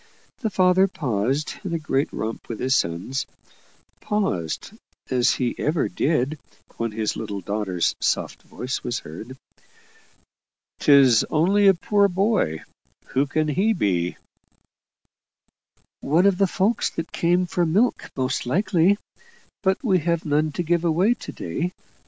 The father paused in a great romp with his sons paused, as he ever did when his little daughter's soft voice was heard. "'Tis only a poor boy who can he be?" "One of the folk that come for milk most likely but we have none to give away to day.